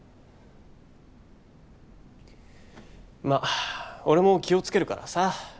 ま俺も気を付けるからさ。